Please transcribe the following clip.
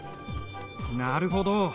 なるほど。